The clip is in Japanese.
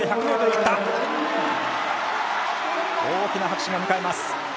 大きな拍手が迎えます。